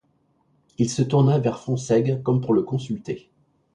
Il se tourna vers Fonsègue, comme pour le consulter.